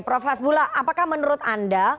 prof hasbullah apakah menurut anda